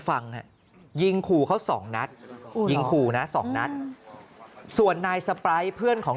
ฟังฮะยิงขู่เขาสองนัดยิงขู่นะสองนัดส่วนนายสไปร์เพื่อนของ